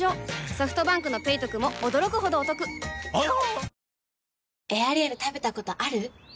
ソフトバンクの「ペイトク」も驚くほどおトクわぁ！